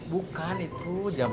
bukan itu jam jam